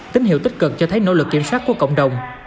tín hiệu tích cực cho thấy nỗ lực kiểm soát của cộng đồng